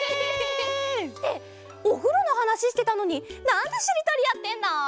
っておふろのはなししてたのになんでしりとりやってんの？